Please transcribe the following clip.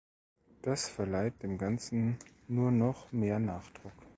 Das verleiht dem Ganzen nur noch mehr Nachdruck.